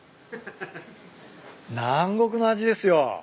南国の味ですよ。